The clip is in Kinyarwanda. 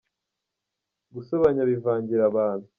gusobanya bivangira abantu.